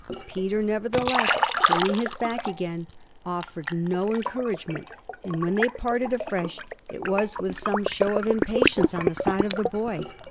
Peter nevertheless, turning his back again, offered no encouragement, and when they parted afresh it was with some show of impatience on the side of the boy.